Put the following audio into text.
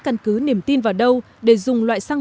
căn cứ niềm tin vào đâu để dùng loại xăng